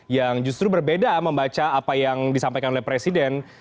yang justru berbeda membaca apa yang disampaikan oleh presiden